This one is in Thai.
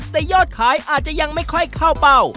แต่ยอดขายอาจจะยังไม่ค่อยเข้าเป้า